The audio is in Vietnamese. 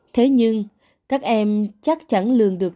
thế nhưng các em chắc chắn lường được